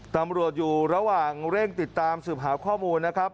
ตำรวจอยู่ระหว่างเร่งติดตามสืบหาข้อมูลนะครับ